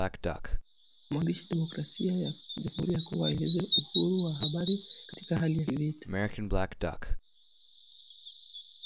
Mwandishi Demokrasia ya jamuhuri ya Kongo aeleza uhuru wa habari katika hali ya kivita